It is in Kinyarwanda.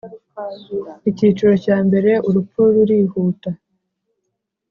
Icyiciro cya mbere urupfu rurihuta